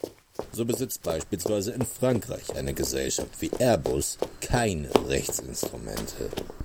So besitzt beispielsweise in Frankreich eine Gesellschaft wie Airbus keine Rechtsinstrumente.